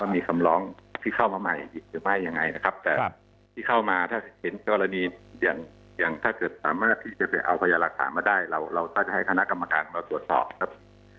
มีคำร้องที่เข้ามาใหม่หรือไม่ยังไงนะครับแต่ที่เข้ามาถ้าเห็นกรณีอย่างอย่างถ้าเกิดสามารถที่จะไปเอาพยานหลักฐานมาได้เราเราก็จะให้คณะกรรมการมาตรวจสอบครับ